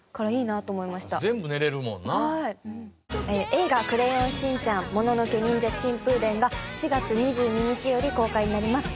『映画クレヨンしんちゃんもののけニンジャ珍風伝』が４月２２日より公開になります。